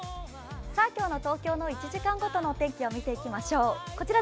今日の東京の１時間ごとのお天気を見ていきましょう。